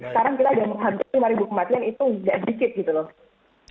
sekarang kita ada hampir lima ribu kematian itu nggak dikit gitu loh